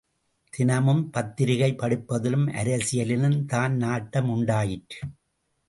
தினமும் பத்திரிகை படிப்பதிலும் அரசியலிலும் தான் நாட்டம் உண்டாயிற்று.